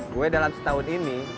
gue dalam setahun ini